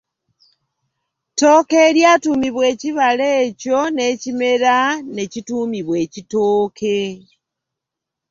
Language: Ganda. Ttooke eryatuumibwa ekibala ekyo n’ekimera ne kituumibwa ekitooke.